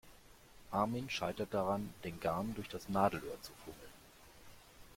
Armin scheitert daran, den Garn durch das Nadelöhr zu fummeln.